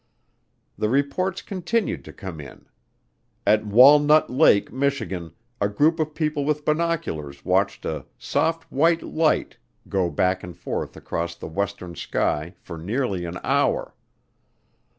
The reports continued to come in. At Walnut Lake, Michigan, a group of people with binoculars watched a "soft white light" go back and forth across the western sky for nearly an hour.